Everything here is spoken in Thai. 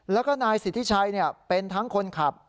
แล้วก็นายสิทธิชัยเป็นทั้งคนขับ